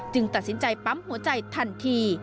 ตัดสินใจปั๊มหัวใจทันที